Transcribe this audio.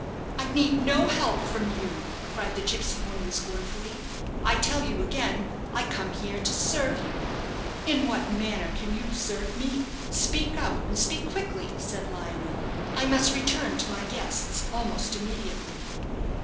"I need no help from you," cried the gipsy woman, scornfully; "I tell you again, I come here to serve you." "In what manner can you serve me? Speak out, and speak quickly!" said Lionel; "I must return to my guests almost immediately."